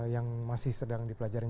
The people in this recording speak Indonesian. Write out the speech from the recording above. yang masih sedang dipelajari